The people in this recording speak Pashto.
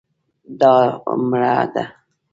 دا مړه ده